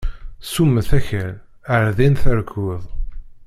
Ssummet akal, ar din terkuḍ.